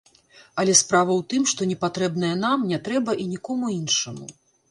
Але справа ў тым, што непатрэбнае нам не трэба і нікому іншаму.